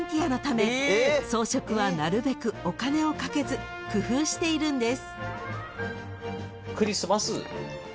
［装飾はなるべくお金をかけず工夫しているんです］